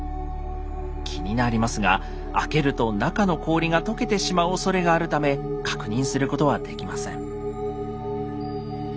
気になりますが開けると中の氷が解けてしまうおそれがあるため確認することはできません。